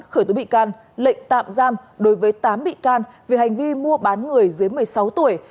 khởi tố bị can lệnh tạm giam đối với tám bị can về hành vi mua bán người dưới một mươi sáu tuổi